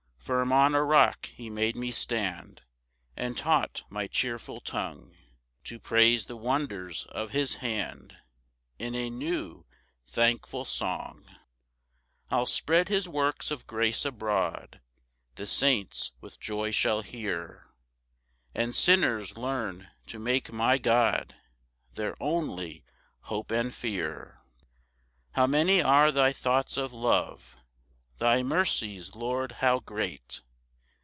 3 Firm on a rock he made me stand, And taught my cheerful tongue To praise the wonders of his hand, In a new thankful song. 4 I'll spread his works of grace abroad; The saints with joy shall hear, And sinners learn to make my God Their only hope and fear. 5 How many are thy thoughts of love! Thy mercies, Lord, how great!